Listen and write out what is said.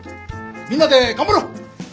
みんなで頑張ろう！